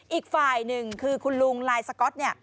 อีกฝ่ายหนึ่งคือคุณลุงลายสก๊อตเนี่ย